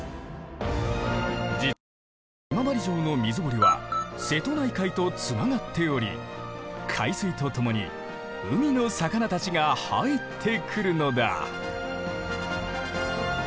実は今治城の水堀は瀬戸内海とつながっており海水とともに海の魚たちが入ってくるのだ。